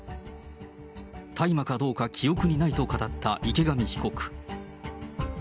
大麻かどうか記憶にないと語った池上被告。